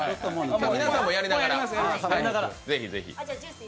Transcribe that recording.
皆さんもやりながらぜひぜひ。